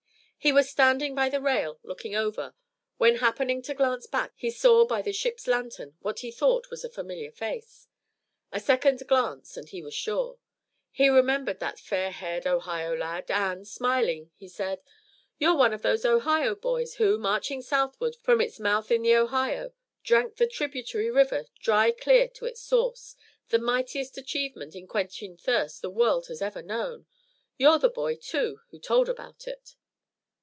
He was standing by the rail looking over, when happening to glance back he saw by the ship's lantern what he thought was a familiar face. A second glance and he was sure. He remembered that fair haired Ohio lad, and, smiling, he said: "You're one of those Ohio boys who, marching southward from its mouth in the Ohio, drank the tributary river dry clear to its source, the mightiest achievement in quenching thirst the world has ever known. You're the boy, too, who told about it."